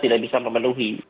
tidak bisa memenuhi